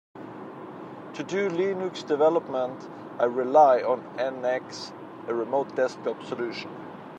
To do Linux development, I rely on NX, a remote desktop solution.